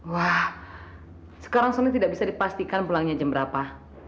wah sekarang sonny tidak bisa dipastikan pulangnya jam berapa